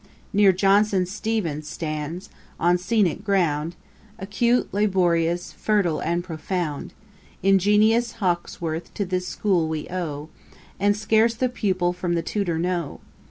Near Johnson STEEVENS stands, on scenick ground, Acute, laborious, fertile, and profound. Ingenious HAWKESWORTH to this school we owe. And scarce the pupil from the tutor know.